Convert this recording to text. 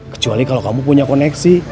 kecuali kalau kamu punya koneksi